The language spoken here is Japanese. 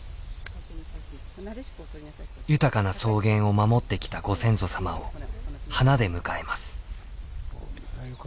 豊かな草原を守ってきたご先祖様を花で迎えます。